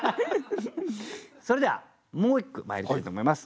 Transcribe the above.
それではもう一句まいりたいと思います。